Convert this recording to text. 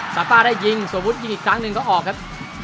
ซาป้าได้ยิงสมมุติยิงอีกครั้งหนึ่งก็ออกครับ